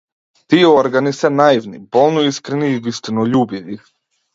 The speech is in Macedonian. Тие органи се наивни, болно искрени и вистинољубиви.